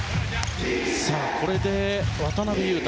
これで渡邊雄太